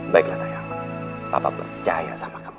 baiklah saya papa percaya sama kamu